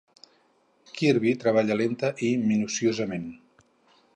Kirby treballava lenta i minuciosament.